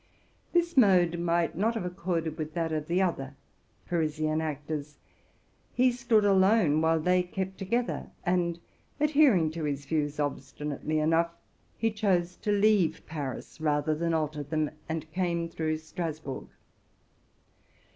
This method might not have accorded with that of the other Parisian actors. He stood alone, while they kept together; and, adhering to his views obstinately enough, he chose to leave Paris rather than alter them, and came through Strasburg.